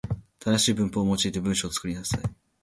正しい文法を用いて文章を作りなさい。